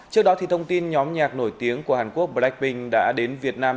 trước đó thông tin nhóm nhạc nổi tiếng của hàn quốc blackpink đã đến việt nam